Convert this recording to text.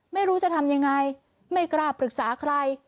ไม่รู้จะทำยังไงไม่กล้าปรึกษาใคร